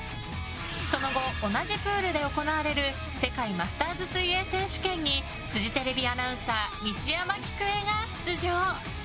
その後、同じプールで行われる世界マスターズ水泳選手権にフジテレビアナウンサー西山喜久恵が出場。